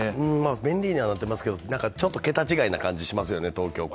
便利になってますけど、ちょっと桁違いな感じがしますよね。